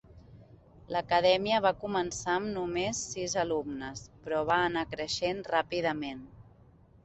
L'acadèmia va començar amb només sis alumnes, però va anar creixent ràpidament.